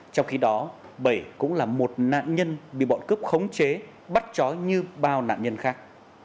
trong khi đó bảy cũng là một nạn nhân bị bọn cướp khống chế bắt chói như bao nạn nhân khác